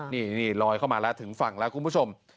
นี่ลอยเข้ามาแล้วถึงฝั่งแล้วคุณผู้ชม